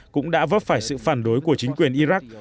cũng đã vấp phải sự phản đối của chính quyền iraq